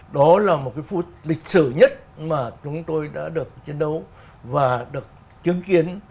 đó là một cái phút lịch sử nhất mà chúng tôi đã được chiến đấu và được chứng kiến